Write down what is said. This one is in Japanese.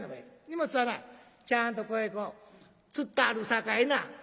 荷物はなちゃんとここへつったあるさかいな」。